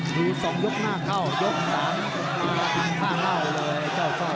ดู๒ยกหน้าเข้ายก๓มันหล่ะผ่าคร่าวมาเลยเจ้าฟ้า